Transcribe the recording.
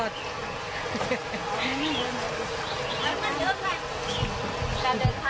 มันมันเยอะค่ะ